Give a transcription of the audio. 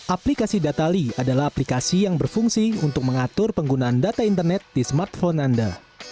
aplikasi datali adalah aplikasi yang berfungsi untuk mengatur penggunaan data internet di smartphone anda